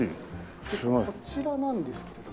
こちらなんですけれども。